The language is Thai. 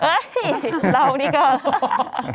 เห้ยเรานิกอ่ะ